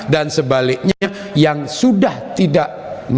dan sebaliknya yang sudah tidak